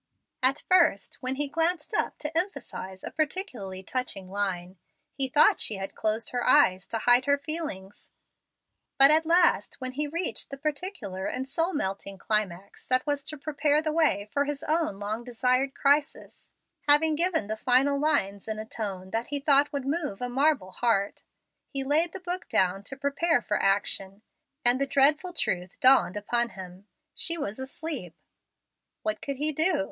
At first, when he glanced up to emphasize a peculiarly touching line, he thought she had closed her eyes to hide her feelings; but at last, when he reached the particular and soul melting climax that was to prepare the way for his own long desired crisis, having given the final lines in a tone that he thought would move a marble heart, he laid the book down to prepare for action, and the dreadful truth dawned upon him. She was asleep! What could he do?